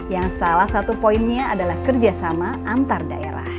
yang salah satu poinnya adalah kerjasama antar daerah